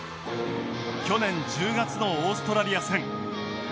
去年１０月のオーストラリア戦